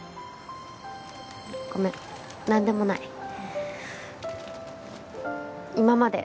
ごめん何でもない今まで